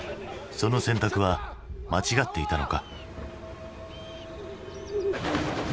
その選択は間違っていたのか？